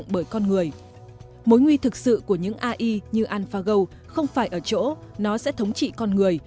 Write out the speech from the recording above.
bởi mối nguy thực sự của những ai như alphago không phải ở chỗ nó sẽ thống trị con người